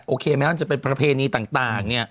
โอเคแม้ว่าจะเป็นประเพณีต่าง